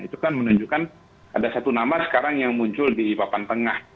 itu kan menunjukkan ada satu nama sekarang yang muncul di papan tengah